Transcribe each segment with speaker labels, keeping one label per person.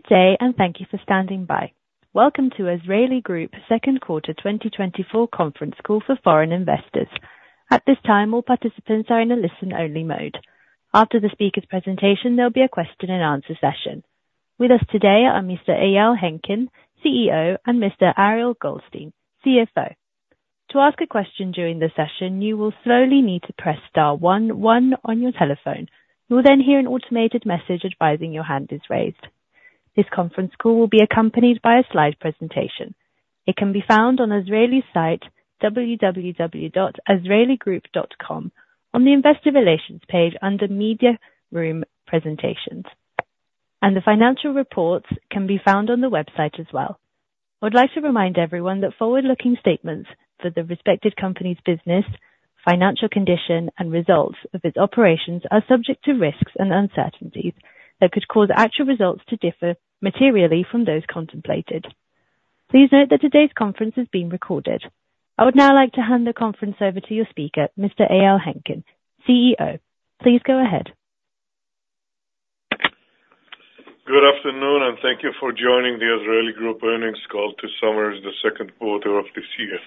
Speaker 1: Good day, and thank you for standing by. Welcome to Azrieli Group second quarter twenty twenty-four conference call for foreign investors. At this time, all participants are in a listen-only mode. After the speaker's presentation, there'll be a question and answer session. With us today are Mr. Eyal Henkin, CEO, and Mr. Ariel Goldstein, CFO. To ask a question during the session, you will slowly need to press star one one on your telephone. You'll then hear an automated message advising your hand is raised. This conference call will be accompanied by a slide presentation. It can be found on Azrieli's site, www.azrieligroup.com, on the Investor Relations page under Media Room Presentations, and the financial reports can be found on the website as well.
Speaker 2: I would like to remind everyone that forward-looking statements for the respective company's business, financial condition, and results of its operations are subject to risks and uncertainties that could cause actual results to differ materially from those contemplated. Please note that today's conference is being recorded. I would now like to hand the conference over to your speaker, Mr. Eyal Henkin, CEO. Please go ahead.
Speaker 3: Good afternoon, and thank you for joining the Azrieli Group earnings call to summarize the second quarter of this year.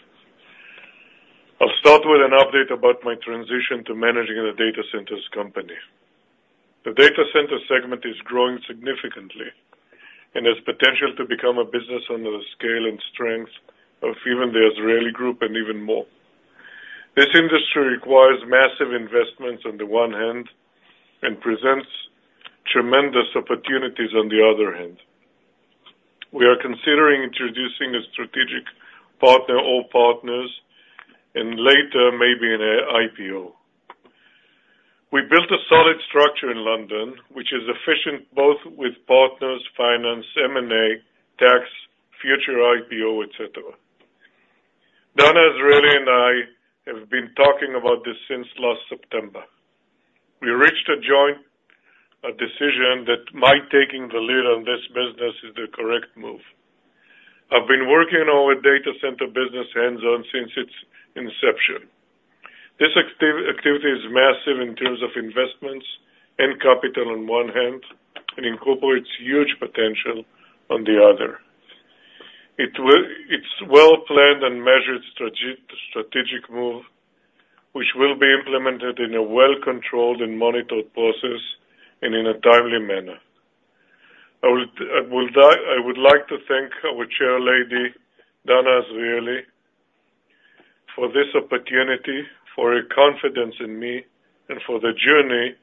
Speaker 3: I'll start with an update about my transition to managing the data centers company. The data center segment is growing significantly and has potential to become a business on the scale and strength of even the Azrieli Group, and even more. This industry requires massive investments on the one hand, and presents tremendous opportunities on the other hand. We are considering introducing a strategic partner or partners, and later, maybe an IPO. We built a solid structure in London, which is efficient, both with partners, finance, M&A, tax, future IPO, et cetera. Dana Azrieli and I have been talking about this since last September. We reached a joint decision that my taking the lead on this business is the correct move.
Speaker 2: I've been working on our data center business hands-on since its inception. This activity is massive in terms of investments and capital on one hand, and incorporates huge potential on the other. It will... It's well-planned and measured strategic move, which will be implemented in a well-controlled and monitored process and in a timely manner. I would like to thank our chairlady, Dana Azrieli, for this opportunity, for her confidence in me, and for the journey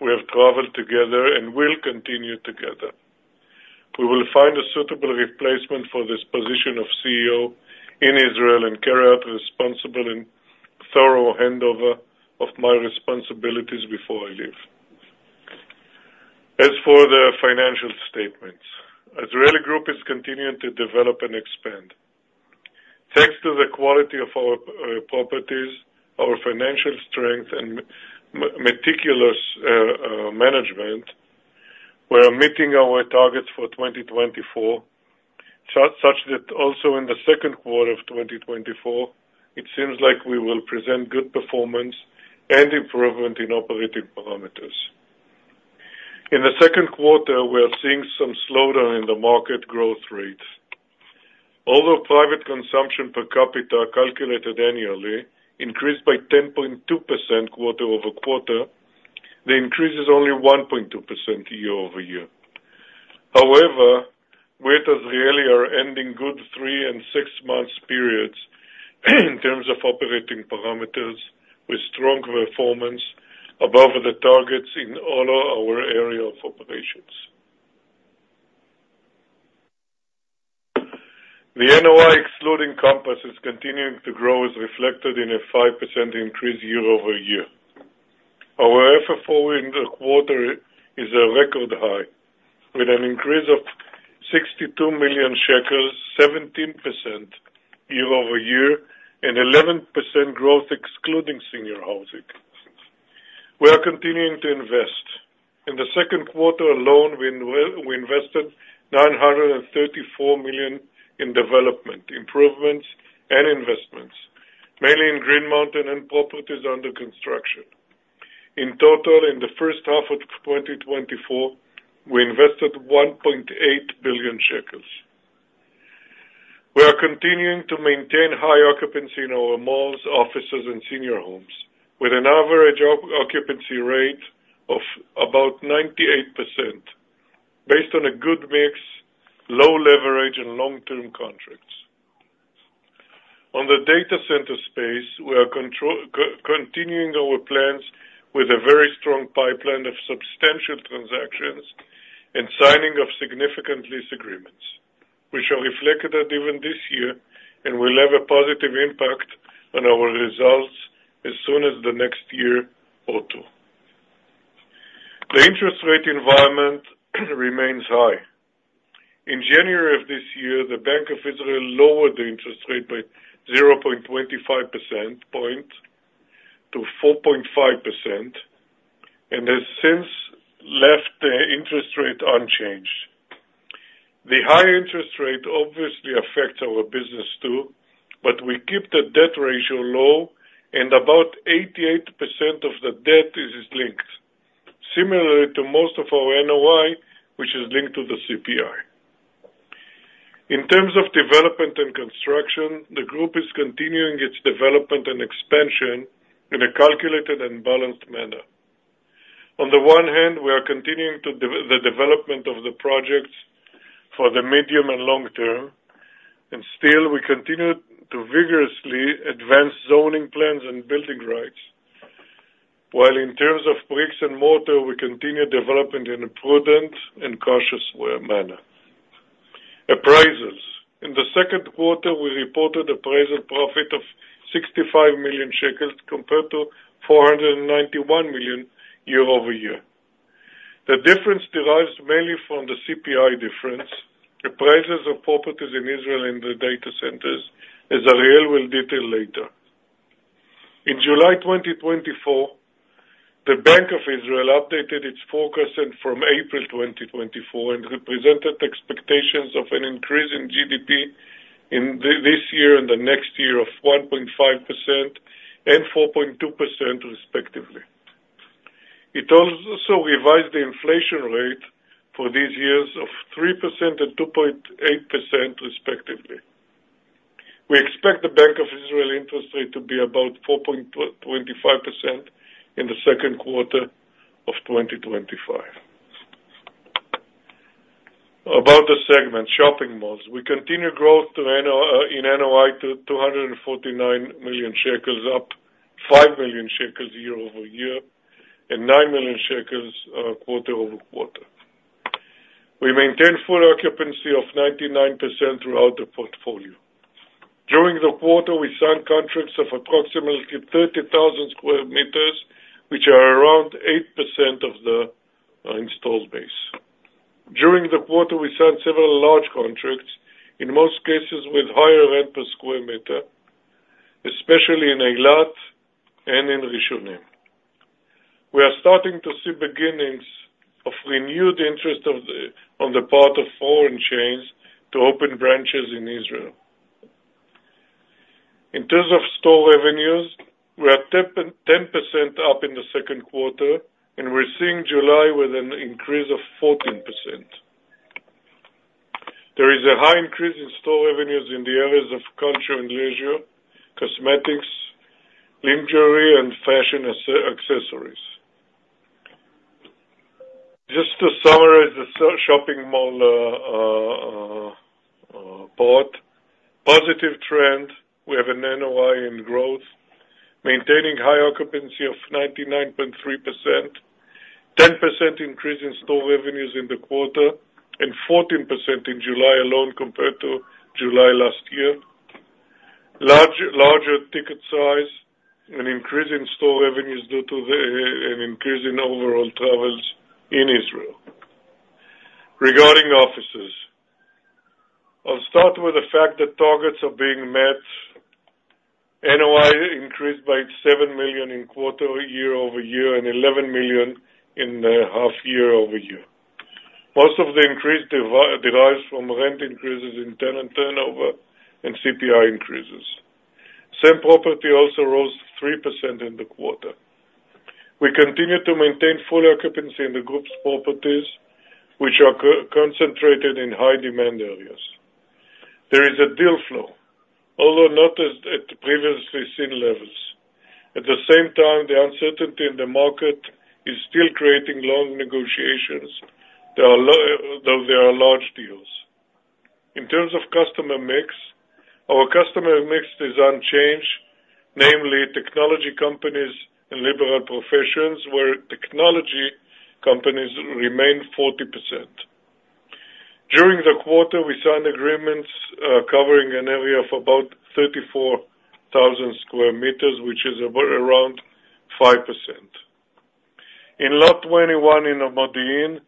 Speaker 2: we have traveled together and will continue together. We will find a suitable replacement for this position of CEO in Israel and carry out responsible and thorough handover of my responsibilities before I leave. As for the financial statements, Azrieli Group is continuing to develop and expand. Thanks to the quality of our properties, our financial strength and meticulous management, we are meeting our targets for twenty twenty-four, such that also in the second quarter of twenty twenty-four, it seems like we will present good performance and improvement in operating parameters. In the second quarter, we are seeing some slowdown in the market growth rates. Although private consumption per capita, calculated annually, increased by 10.2% quarter over quarter, the increase is only 1.2% year over year. However, we at Azrieli are ending good three and six months periods in terms of operating parameters, with strong performance above the targets in all our area of operations. The NOI, excluding Compass, is continuing to grow, as reflected in a 5% increase year over year. Our FFO in the quarter is a record high, with an increase of 62 million shekels, 17% year over year, and 11% growth excluding senior housing. We are continuing to invest. In the second quarter alone, we invested 934 million in development, improvements, and investments, mainly in Green Mountain and properties under construction. In total, in the first half of 2024, we invested 1.8 billion shekels. We are continuing to maintain high occupancy in our malls, offices, and senior homes, with an average occupancy rate of about 98%, based on a good mix, low leverage, and long-term contracts. On the data center space, we are continuing our plans with a very strong pipeline of substantial transactions and signing of significant lease agreements. We shall reflect that even this year and will have a positive impact on our results as soon as the next year or two. The interest rate environment remains high. In January of this year, the Bank of Israel lowered the interest rate by 0.25 percentage points to 4.5%, and has since left the interest rate unchanged. The high interest rate obviously affects our business, too. But we keep the debt ratio low, and about 88% of the debt is linked, similarly to most of our NOI, which is linked to the CPI. In terms of development and construction, the group is continuing its development and expansion in a calculated and balanced manner. On the one hand, we are continuing to develop the development of the projects for the medium and long term, and still we continue to vigorously advance zoning plans and building rights. While in terms of bricks and mortar, we continue developing in a prudent and cautious way, manner. Appraisals. In the second quarter, we reported appraisal profit of 65 million shekels compared to 491 million year-over-year. The difference derives mainly from the CPI difference, the prices of properties in Israel and the data centers, as Ariel will detail later. In July 2024, the Bank of Israel updated its forecast, and from April 2024 and represented expectations of an increase in GDP in this year and the next year of 1.5% and 4.2%, respectively. It also revised the inflation rate for these years of 3% and 2.8%, respectively. We expect the Bank of Israel interest rate to be about 4.25% in the second quarter of 2025. About the segment, shopping malls. We continue growth in NOI to 249 million shekels, up 5 million shekels year-over-year, and 9 million shekels quarter-over-quarter. We maintain full occupancy of 99% throughout the portfolio. During the quarter, we signed contracts of approximately 30,000 square meters, which are around 8% of the installed base. During the quarter, we signed several large contracts, in most cases with higher rent per square meter, especially in Eilat and in Rishon LeZion. We are starting to see beginnings of renewed interest on the part of foreign chains to open branches in Israel. In terms of store revenues, we are 10% up in the second quarter, and we're seeing July with an increase of 14%. There is a high increase in store revenues in the areas of culture and leisure, cosmetics, lingerie, and fashion accessories. Just to summarize the shopping mall part. Positive trend, we have an NOI in growth, maintaining high occupancy of 99.3%, 10% increase in store revenues in the quarter, and 14% in July alone compared to July last year. Larger ticket size, an increase in store revenues due to an increase in overall travels in Israel. Regarding offices, I'll start with the fact that targets are being met. NOI increased by 7 million in quarter, year-over-year, and 11 million in the half year-over-year. Most of the increase derives from rent increases in tenant turnover and CPI increases. Same property also rose 3% in the quarter. We continue to maintain full occupancy in the group's properties, which are concentrated in high-demand areas. There is a deal flow, although not as at previously seen levels. At the same time, the uncertainty in the market is still creating long negotiations. There are large deals, though. In terms of customer mix, our customer mix is unchanged, namely technology companies and liberal professions, where technology companies remain 40%. During the quarter, we signed agreements covering an area of about 34,000 square meters, which is about around 5%. In Lot 21 in Modi'in,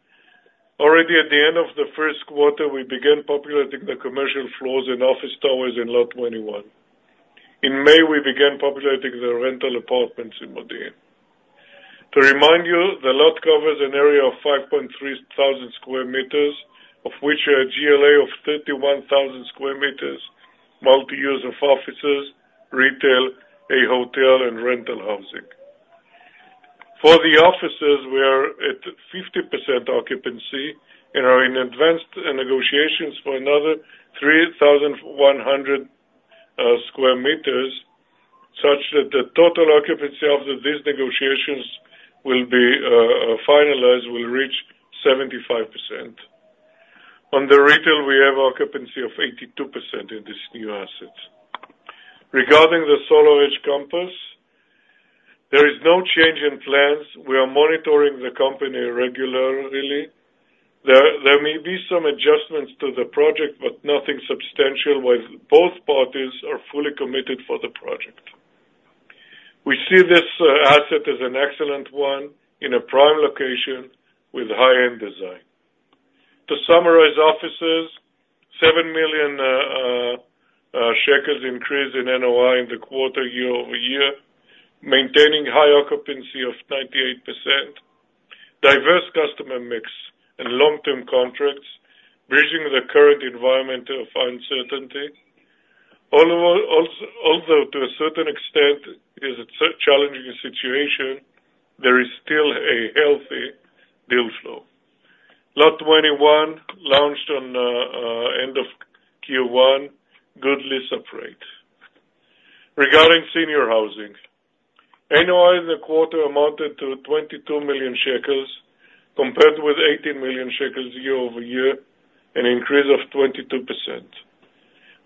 Speaker 2: already at the end of the first quarter, we began populating the commercial floors and office towers in Lot 21. In May, we began populating the rental apartments in Modi'in. To remind you, the lot covers an area of 5.3 thousand square meters, of which a GLA of 31 thousand square meters, multi-use of offices, retail, a hotel, and rental housing. For the offices, we are at 50% occupancy and are in advanced negotiations for another 3,100 square meters, such that the total occupancy of these negotiations will be finalized, will reach 75%. On the retail, we have occupancy of 82% in this new assets. Regarding the SolarEdge Campus, there is no change in plans. We are monitoring the company regularly. There may be some adjustments to the project, but nothing substantial, while both parties are fully committed for the project. We see this asset as an excellent one in a prime location with high-end design. To summarize offices, 7 million shekels increase in NOI in the quarter year-over-year, maintaining high occupancy of 98%, diverse customer mix and long-term contracts, bridging the current environment of uncertainty. Although to a certain extent is a challenging situation, there is still a healthy deal flow. Lot 21, launched on end of Q1, good lease-up rate. Regarding senior housing, NOI in the quarter amounted to 22 million shekels, compared with 18 million shekels year-over-year, an increase of 22%.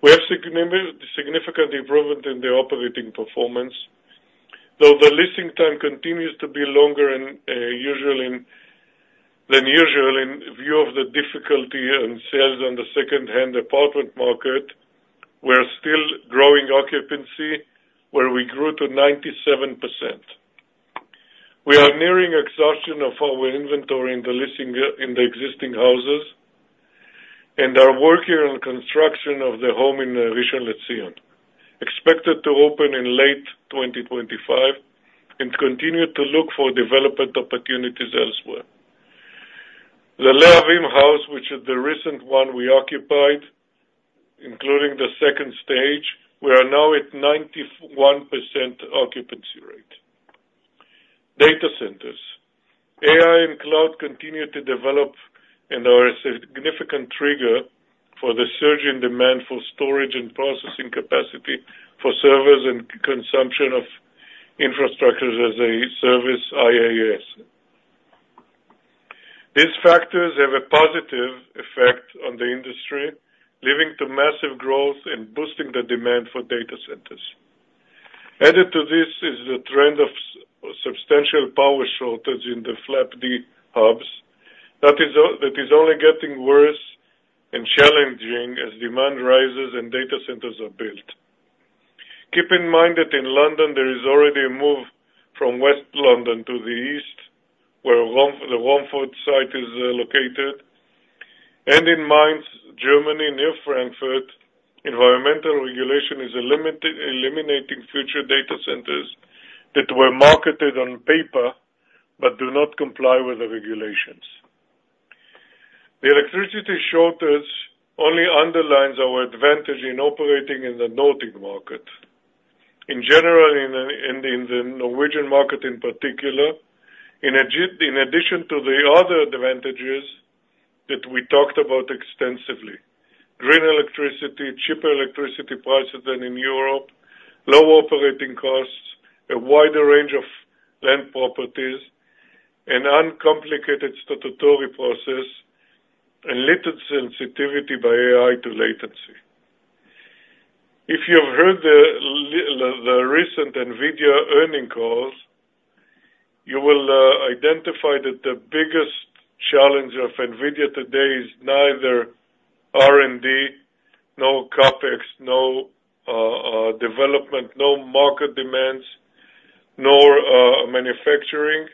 Speaker 2: We have significant improvement in the operating performance, though the leasing time continues to be longer than usual in view of the difficulty in sales on the secondhand apartment market, we're still growing occupancy, where we grew to 97%. We are nearing exhaustion of our inventory in the leasing in the existing houses, and are working on construction of the home in Rishon LeZion, expected to open in late 2025, and continue to look for development opportunities elsewhere. The Palace Lehavim, which is the recent one we occupied, including the second stage, we are now at 91% occupancy rate. Data centers. AI and cloud continue to develop and are a significant trigger for the surge in demand for storage and processing capacity for servers and consumption of infrastructures as a service, IaaS. These factors have a positive effect on the industry, leading to massive growth and boosting the demand for data centers. Added to this is the trend of substantial power shortage in the FLAP-D hubs, that is only getting worse and challenging as demand rises and data centers are built. Keep in mind that in London, there is already a move from West London to the east, where the Romford site is located. And in Mainz, Germany, near Frankfurt, environmental regulation is eliminating future data centers that were marketed on paper, but do not comply with the regulations. The electricity shortage only underlines our advantage in operating in the Nordic market. In general, in the Norwegian market in particular, in addition to the other advantages that we talked about extensively, green electricity, cheaper electricity prices than in Europe, low operating costs, a wider range of land properties, an uncomplicated statutory process, and little sensitivity by AI to latency. If you've heard the the recent Nvidia earnings calls, you will identify that the biggest challenge of Nvidia today is neither R&D, nor CapEx, nor development, nor market demands, nor manufacturing.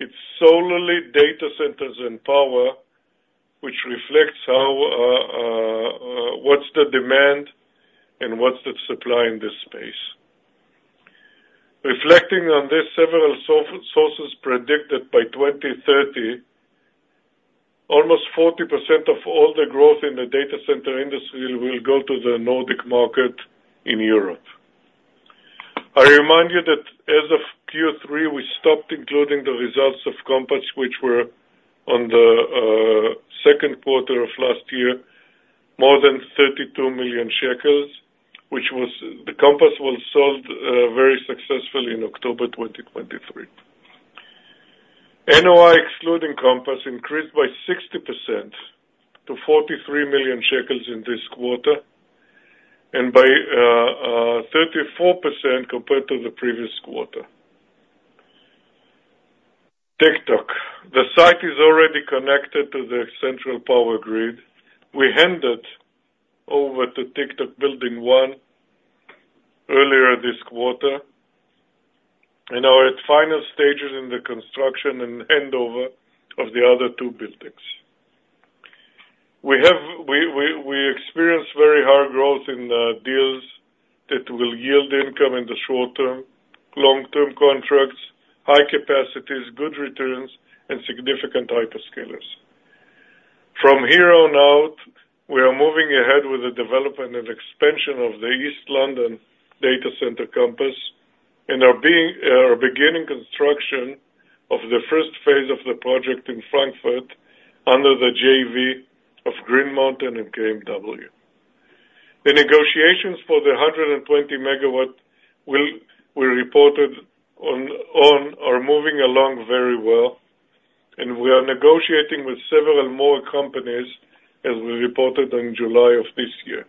Speaker 2: It's solely data centers and power, which reflects how what's the demand and what's the supply in this space. Reflecting on this, several sources predict by 2030, almost 40% of all the growth in the data center industry will go to the Nordic market in Europe. I remind you that as of Q3, we stopped including the results of Compass, which were in the second quarter of last year, more than 32 million shekels, which was. The Compass was sold very successfully in October 2023. NOI, excluding campus, increased by 60% to 43 million shekels in this quarter, and by 34% compared to the previous quarter. TikTok. The site is already connected to the central power grid. We handed over to TikTok Building One earlier this quarter, and are at final stages in the construction and handover of the other two buildings. We experienced very hard growth in the deals that will yield income in the short term, long-term contracts, high capacities, good returns, and significant hyperscalers. From here on out, we are moving ahead with the development and expansion of the East London data center campus, and are beginning construction of the first phase of the project in Frankfurt, under the JV of Green Mountain and KMW. The negotiations for the 120 megawatt we reported on are moving along very well, and we are negotiating with several more companies, as we reported in July of this year.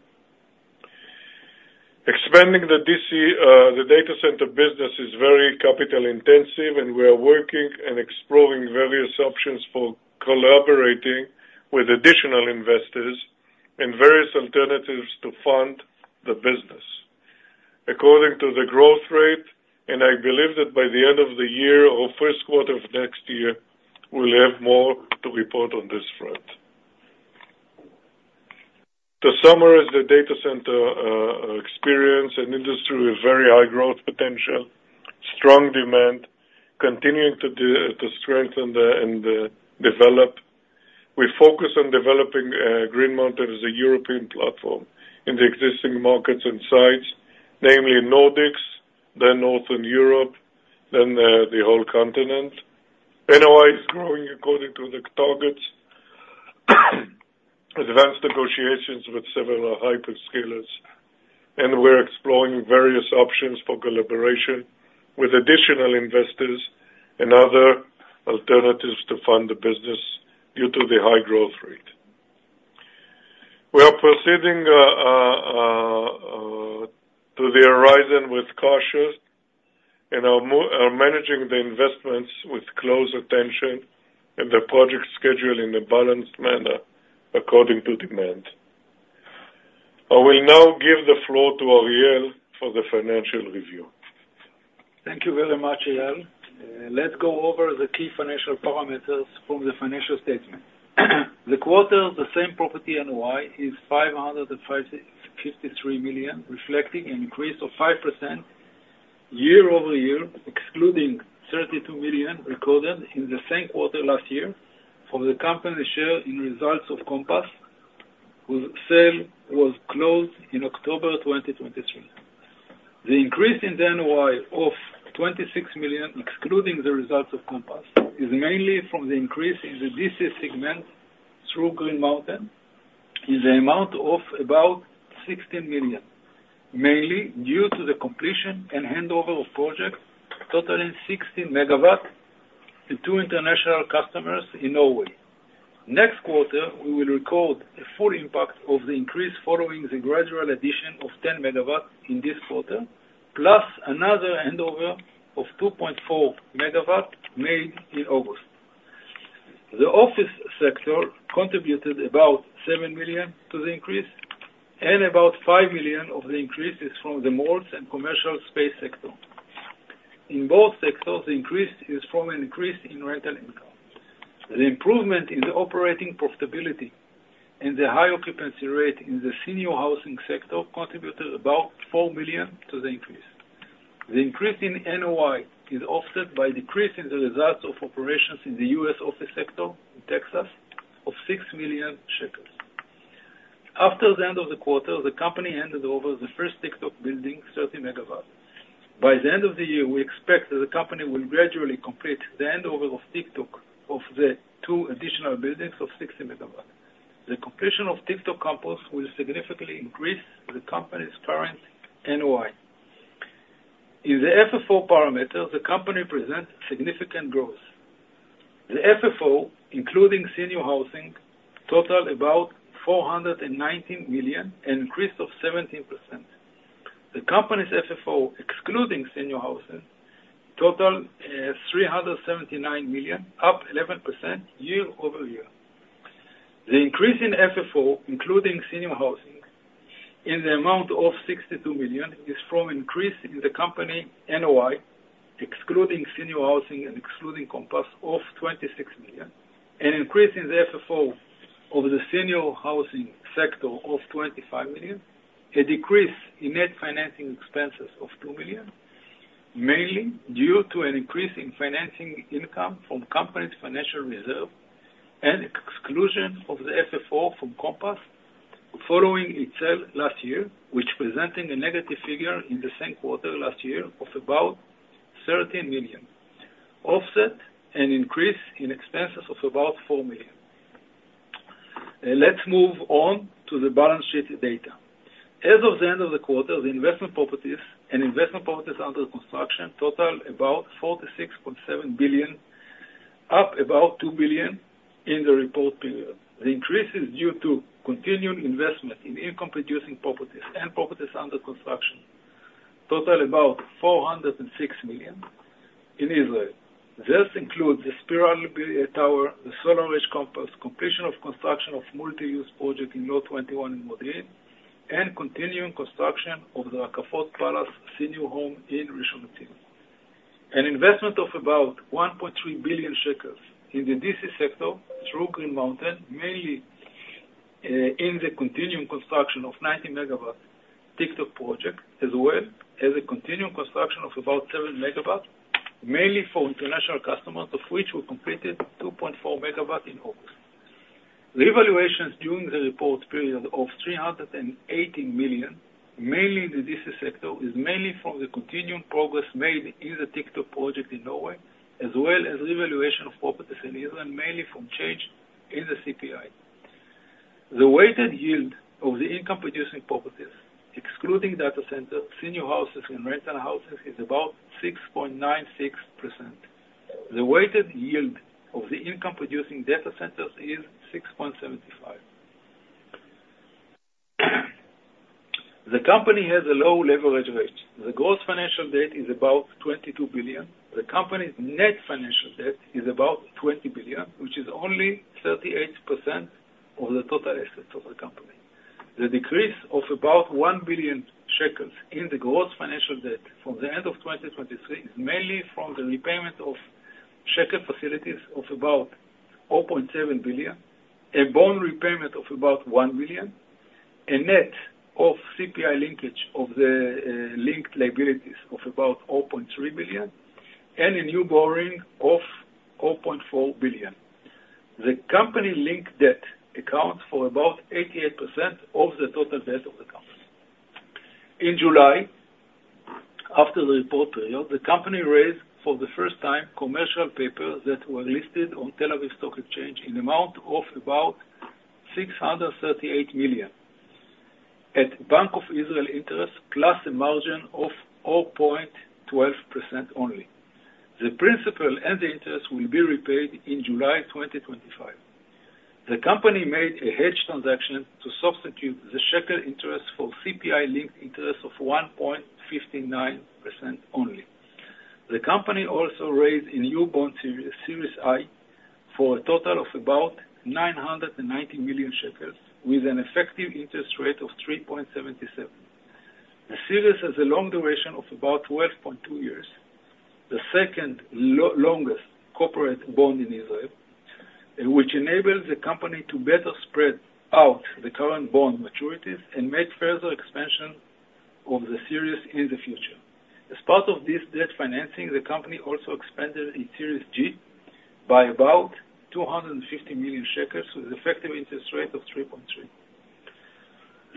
Speaker 2: Expanding the data center business is very capital intensive, and we are working and exploring various options for collaborating with additional investors and various alternatives to fund the business. According to the growth rate, and I believe that by the end of the year or first quarter of next year, we'll have more to report on this front. Summer is the data center experience, an industry with very high growth potential, strong demand, continuing to strengthen and develop. We focus on developing Green Mountain as a European platform in the existing markets and sites, namely Nordics, then Northern Europe, then the whole continent. NOI is growing according to the targets. Advanced negotiations with several hyperscalers, and we're exploring various options for collaboration with additional investors and other alternatives to fund the business due to the high growth rate. We are proceeding through the horizon with caution, and are managing the investments with close attention, and the project schedule in a balanced manner according to demand. I will now give the floor to Ariel for the financial review. Thank you very much, Eyal. Let's go over the key financial parameters from the financial statement. The quarter, the same property NOI is 505.53 million, reflecting an increase of 5% year over year, excluding 32 million recorded in the same quarter last year from the company's share in results of Compass, whose sale was closed in October 2023. The increase in the NOI of 26 million, excluding the results of Compass, is mainly from the increase in the DC segment through Green Mountain, in the amount of about 16 million. Mainly due to the completion and handover of projects totaling 16 megawatts to two international customers in Norway. Next quarter, we will record a full impact of the increase following the gradual addition of 10 megawatts in this quarter, plus another handover of 2.4 megawatts made in August. The office sector contributed about 7 million ILS to the increase, and about 5 million ILS of the increase is from the malls and commercial space sector. In both sectors, the increase is from an increase in rental income. The improvement in the operating profitability and the high occupancy rate in the senior housing sector contributed about 4 million ILS to the increase. The increase in NOI is offset by decrease in the results of operations in the U.S. office sector in Texas, of 6 million shekels. After the end of the quarter, the company handed over the first TikTok building, 30 megawatts. By the end of the year, we expect that the company will gradually complete the handover of TikTok of the two additional buildings of 60 megawatts. The completion of TikTok campus will significantly increase the company's current NOI. In the FFO parameter, the company presents significant growth. The FFO, including senior housing, total about 419 million, an increase of 17%. The company's FFO, excluding senior housing, total, 379 million, up 11% year over year. The increase in FFO, including senior housing, in the amount of 62 million, is from increase in the company NOI, excluding senior housing and excluding Compass, of 26 million. An increase in the FFO over the senior housing sector of 25 million, a decrease in net financing expenses of 2 million, mainly due to an increase in financing income from company's financial reserve and exclusion of the FFO from Compass following its sale last year, which presenting a negative figure in the same quarter last year of about 13 million, offset an increase in expenses of about 4 million. Let's move on to the balance sheet data. As of the end of the quarter, the investment properties and investment properties under construction total about 46.7 billion ILS, up about 2 billion ILS in the report period. The increase is due to continued investment in income-producing properties and properties under construction, total about 406 million ILS in Israel. This includes the Spiral Tower, the SolarEdge Campus, completion of construction of multi-use project in Lot 21 in Modi'in, and continuing construction of the Palace Rishon LeZion senior home in Rishon LeZion. An investment of about 1.3 billion shekels in the DC sector through Green Mountain, mainly in the continuing construction of 90-megawatt TikTok project, as well as a continuing construction of about 7 megawatt, mainly for international customers, of which we completed 2.4 megawatt in August. Revaluations during the report period of 380 million, mainly in the DC sector, is mainly from the continuing progress made in the TikTok project in Norway, as well as revaluation of properties in Ireland, mainly from change in the CPI. The weighted yield of the income-producing properties, excluding data center, senior houses, and rental houses, is about 6.96%. The weighted yield of the income-producing data centers is 6.75%. The company has a low leverage rate. The gross financial debt is about 22 billion. The company's net financial debt is about 20 billion, which is only 38% of the total assets of the company. The decrease of about 1 billion shekels in the gross financial debt from the end of 2023, is mainly from the repayment of-... Shekel facilities of about 4.7 billion, a bond repayment of about 1 billion, a net of CPI linkage of the linked liabilities of about 4.3 billion, and a new borrowing of 4.4 billion. The company link debt accounts for about 88% of the total debt of the company. In July, after the report period, the company raised, for the first time, commercial paper that were listed on Tel Aviv Stock Exchange in amount of about 638 million, at Bank of Israel interest, plus a margin of 0.12% only. The principal and the interest will be repaid in July 2025. The company made a hedge transaction to substitute the shekel interest for CPI link interest of 1.59% only. The company also raised a new bond, Series I, for a total of about 990 million shekels, with an effective interest rate of 3.77%. The series has a long duration of about 12.2 years, the second longest corporate bond in Israel, which enables the company to better spread out the current bond maturities and make further expansion of the series in the future. As part of this debt financing, the company also expanded in Series G, by about 250 million shekels, with an effective interest rate of 3.3%.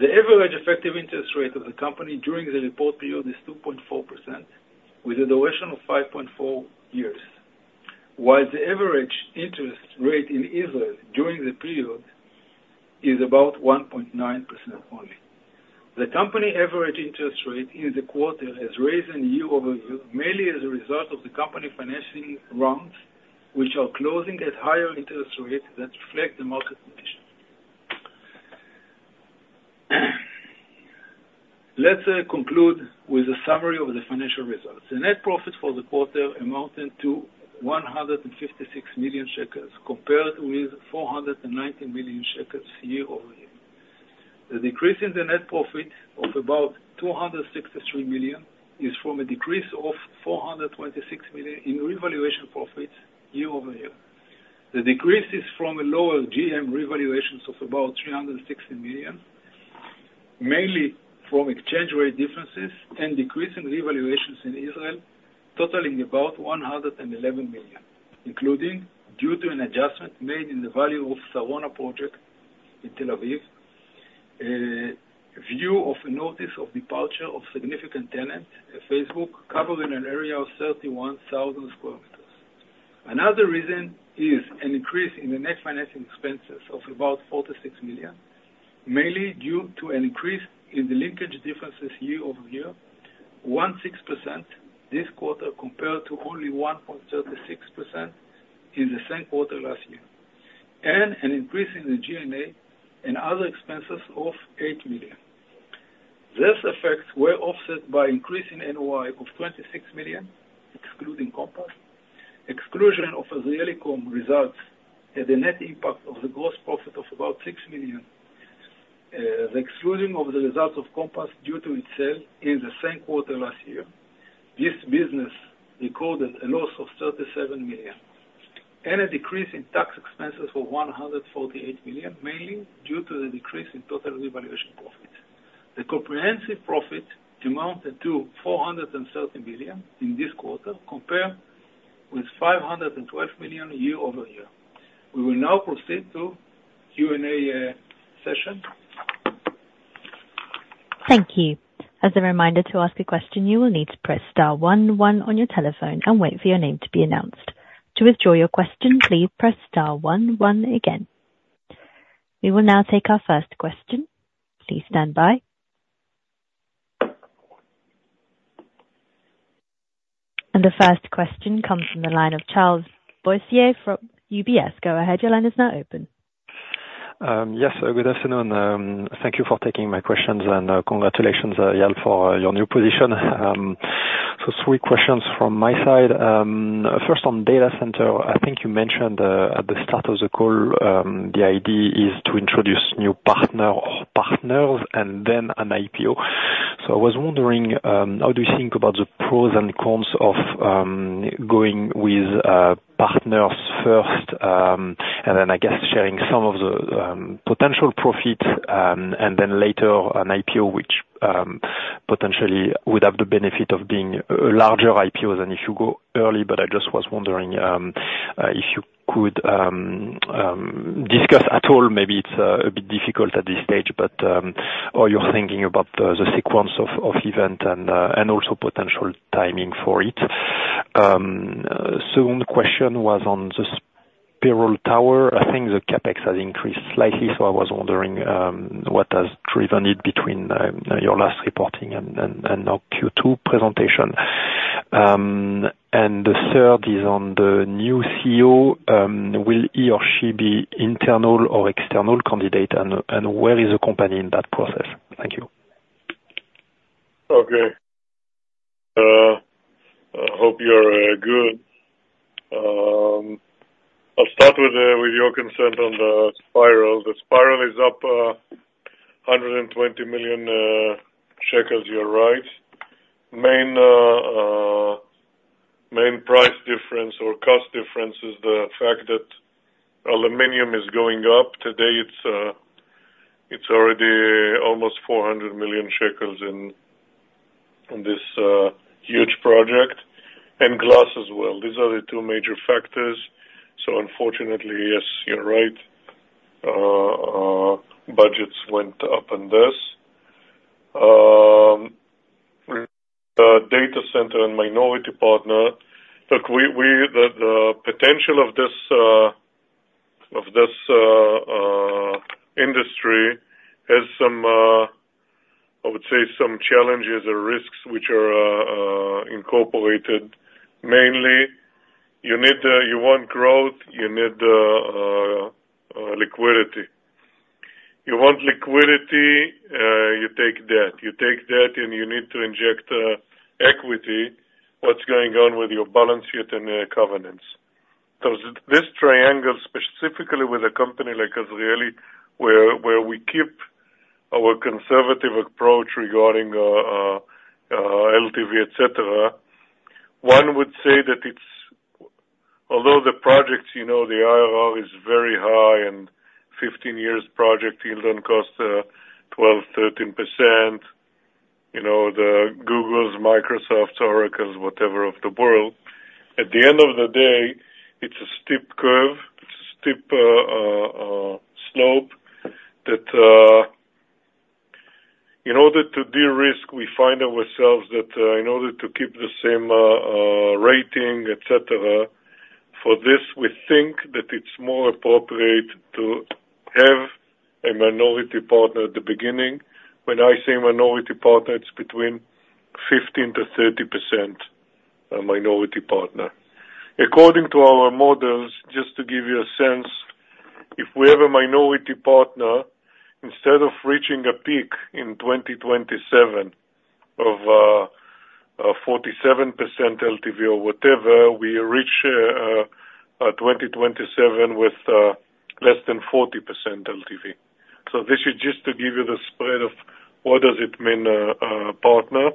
Speaker 2: The average effective interest rate of the company during the report period is 2.4%, with a duration of 5.4 years, while the average interest rate in Israel during the period is about 1.9% only. The company's average interest rate in the quarter has risen year-over-year, mainly as a result of the company's financing rounds, which are closing at higher interest rates that reflect the market conditions. Let's conclude with a summary of the financial results. The net profit for the quarter amounted to 156 million shekels, compared with 490 million shekels year-over-year. The decrease in the net profit of about 263 million is from a decrease of 426 million in revaluation profits year-over-year. The decrease is from a lower GM revaluations of about 360 million, mainly from exchange rate differences and decrease in revaluations in Israel, totaling about 111 million, including due to an adjustment made in the value of Sarona project in Tel Aviv, view of a notice of departure of significant tenant, Facebook, covering an area of 31,000 square meters. Another reason is an increase in the net financing expenses of about 46 million, mainly due to an increase in the linkage differences year-over-year, 16% this quarter, compared to only 1.36% in the same quarter last year, and an increase in the G&A and other expenses of 8 million. These effects were offset by increasing NOI of 26 million, excluding Compass. Exclusion of the Azrieli.com results had a net impact of the gross profit of about 6 million, the excluding of the results of Compass, due to its sale in the same quarter last year. This business recorded a loss of 37 million, and a decrease in tax expenses of 148 million, mainly due to the decrease in total revaluation profit. The comprehensive profit amounted to 430 million in this quarter, compared with 512 million year-over-year. We will now proceed to Q&A session.
Speaker 1: Thank you. As a reminder, to ask a question, you will need to press star one one on your telephone and wait for your name to be announced. To withdraw your question, please press star one one again. We will now take our first question. Please stand by. And the first question comes from the line of Charles Boissier from UBS. Go ahead, your line is now open.
Speaker 4: Yes, good afternoon. Thank you for taking my questions, and congratulations, Eyal, for your new position. So three questions from my side. First, on data center, I think you mentioned at the start of the call the idea is to introduce new partner or partners and then an IPO. So I was wondering how do you think about the pros and cons of going with partners first, and then, I guess, sharing some of the potential profits, and then later an IPO, which potentially would have the benefit of being a larger IPO than if you go early.
Speaker 2: I just was wondering if you could discuss at all, maybe it's a bit difficult at this stage, but what you're thinking about the sequence of events and also potential timing for it. Second question was on the Spiral Tower. I think the CapEx has increased slightly, so I was wondering what has driven it between your last reporting and now Q2 presentation? The third is on the new CEO, will he or she be internal or external candidate, and where is the company in that process? Thank you.
Speaker 3: Okay. I hope you are good. I'll start with your consent on the Spiral. The Spiral is up-...
Speaker 2: 120 million shekels, you're right. Main price difference or cost difference is the fact that aluminum is going up. Today, it's already almost 400 million shekels in this huge project, and glass as well. These are the two major factors. So unfortunately, yes, you're right. Budgets went up on this. The data center and minority partner, look, the potential of this industry has some, I would say, some challenges or risks which are incorporated. Mainly, you need, you want growth, you need liquidity. You want liquidity, you take debt. You take debt, and you need to inject equity. What's going on with your balance sheet and covenants? Because this triangle, specifically with a company like Azrieli, where we keep our conservative approach regarding LTV, et cetera, one would say that it's... Although the projects, you know, the IRR is very high, and fifteen years project, you don't cost 12-13%, you know, the Google, Microsoft, Oracle, whatever of the world. At the end of the day, it's a steep curve, slope, that in order to de-risk, we find ourselves that in order to keep the same rating, et cetera, for this, we think that it's more appropriate to have a minority partner at the beginning. When I say minority partner, it's between 15% to 30% a minority partner. According to our models, just to give you a sense, if we have a minority partner, instead of reaching a peak in 2027 of 47% LTV or whatever, we reach 2027 with less than 40% LTV. So this is just to give you the spread of what does it mean, partner.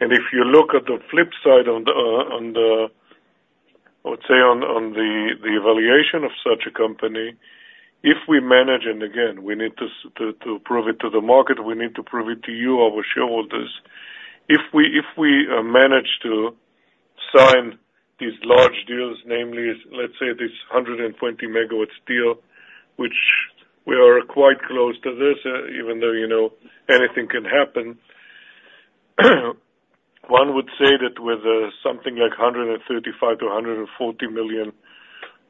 Speaker 2: And if you look at the flip side on the, let's say, on the evaluation of such a company, if we manage, and again, we need to prove it to the market, we need to prove it to you, our shareholders. If we manage to sign these large deals, namely, let's say, this 120 megawatts deal, which we are quite close to this, even though, you know, anything can happen, one would say that with something like 135 to 140 million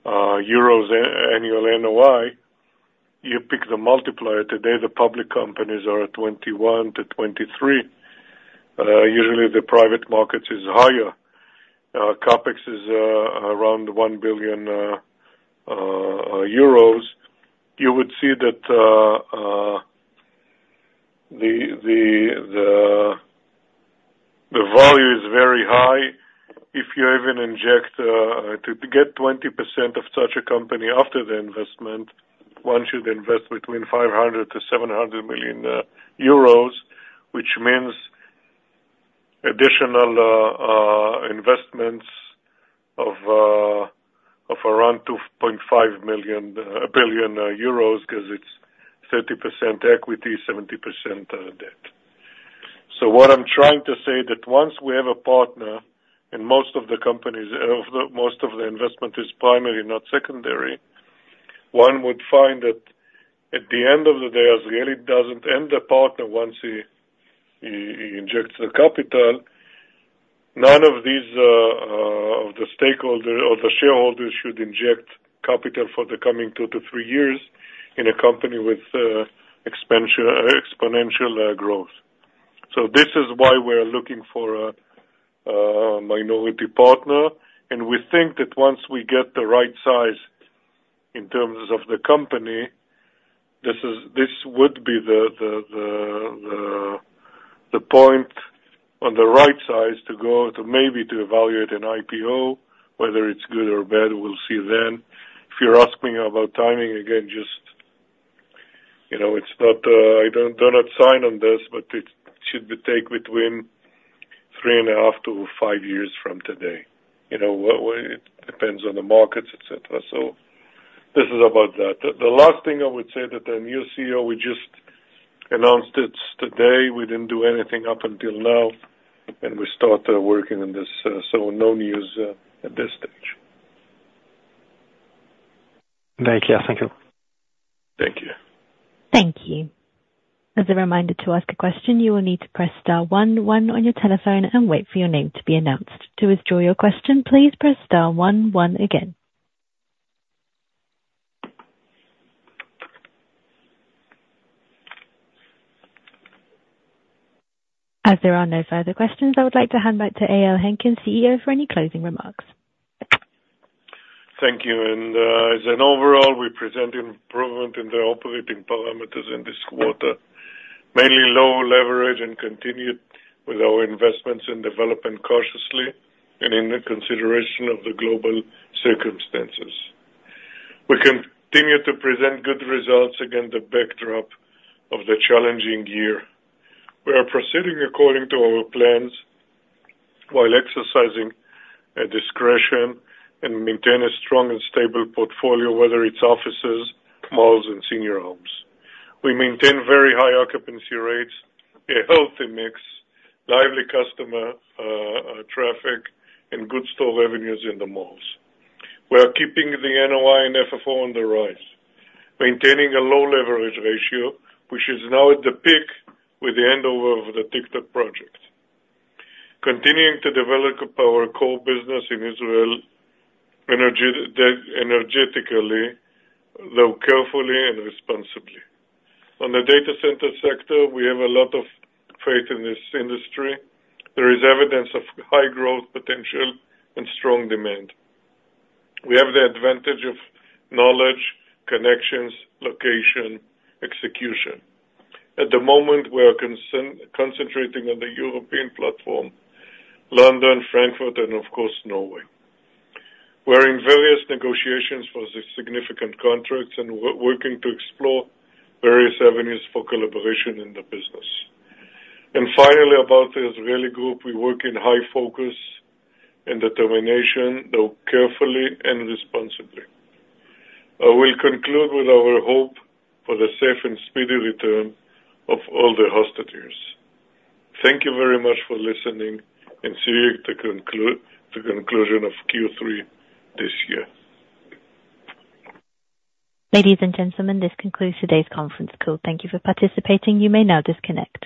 Speaker 2: euros annually NOI, you pick the multiplier. Today, the public companies are at 21 to 23. Usually the private markets is higher. CapEx is around 1 billion euros. You would see that the value is very high. If you even inject to get 20% of such a company after the investment, one should invest between 500-700 million euros, which means additional investments of around 2.5 billion euros, because it's 30% equity, 70% debt. What I'm trying to say is that once we have a partner, and most of the companies, most of the investment is primary, not secondary, one would find that at the end of the day, Azrieli doesn't need the partner once he injects the capital. None of these stakeholders or the shareholders should inject capital for the coming 2-3 years in a company with exponential growth. So this is why we're looking for a minority partner, and we think that once we get the right size in terms of the company, this would be the point on the right size to go to, maybe to evaluate an IPO. Whether it's good or bad, we'll see then. If you're asking about timing, again, just, you know, it's not, I don't- do not sign on this, but it should be take between three and a half to five years from today. You know, it depends on the markets, et cetera. So this is about that. The last thing I would say, that the new CEO, we just announced it today. We didn't do anything up until now, and we start working on this. So no news at this stage.
Speaker 4: Thank you. Thank you.
Speaker 3: Thank you.
Speaker 1: Thank you. As a reminder, to ask a question, you will need to press star one one on your telephone and wait for your name to be announced. To withdraw your question, please press star one one again. As there are no further questions, I would like to hand back to Eyal Henkin, CEO, for any closing remarks.
Speaker 3: Thank you, and as an overall, we present improvement in the operating parameters in this quarter and continued with our investments in development cautiously, and in the consideration of the global circumstances. We continue to present good results against the backdrop of the challenging year. We are proceeding according to our plans, while exercising discretion, and maintain a strong and stable portfolio, whether it's offices, malls, and senior homes. We maintain very high occupancy rates, a healthy mix, lively customer traffic, and good store revenues in the malls. We are keeping the NOI and FFO on the rise, maintaining a low leverage ratio, which is now at the peak with the handover of the TikTok project. Continuing to develop our core business in Israel energetically, though carefully and responsibly. On the data center sector, we have a lot of faith in this industry.
Speaker 2: There is evidence of high growth potential and strong demand. We have the advantage of knowledge, connections, location, execution. At the moment, we are concentrating on the European platform, London, Frankfurt, and of course, Norway. We're in various negotiations for the significant contracts, and working to explore various avenues for collaboration in the business. Finally, about the Israeli group, we work in high focus and determination, though carefully and responsibly. I will conclude with our hope for the safe and speedy return of all the hostages. Thank you very much for listening, and see you at the conclusion of Q3 this year.
Speaker 1: Ladies and gentlemen, this concludes today's conference call. Thank you for participating. You may now disconnect.